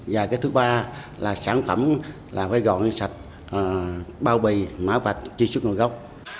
và cái thứ ba là sản phẩm là phải gọn sạch bao bì má vạch chi xuất ngồi gốc